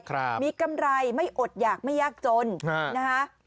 ครับมีกำไรไม่อดหยากไม่ยากจนฮะนะคะ